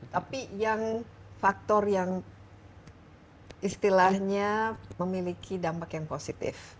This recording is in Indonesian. tapi yang faktor yang istilahnya memiliki dampak yang positif